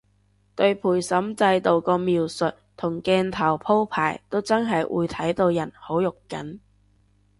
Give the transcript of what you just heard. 對陪審制度個描述同鏡頭鋪排都真係會睇到人好肉緊